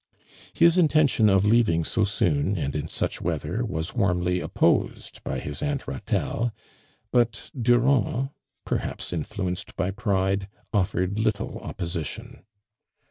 His intention of leaving so soon and in such weather, was warmly opposed by his Aunt Ratelle, but Durand, perliaps in fluenced by pride, offered little opposition.